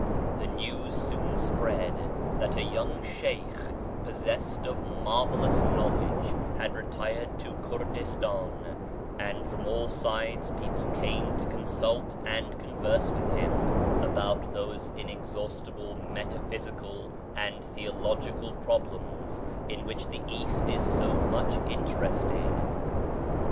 The news soon spread that a young Shaikh, possessed of marvellous knowledge, had retired to Kurdistan, and from all sides people came to consult and converse with'him about those inexhaust ible metaphysical and theological pro blems in which the East is so much in terested.